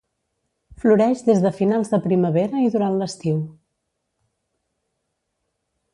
Floreix des de finals de primavera i durant l’estiu.